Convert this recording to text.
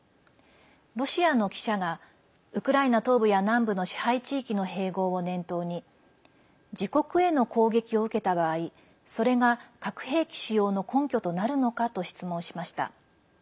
ロシアの記者がウクライナ東部や南部の支配地域の併合を念頭に自国への攻撃を受けた場合それが核兵器使用の根拠となるのかと質問しました。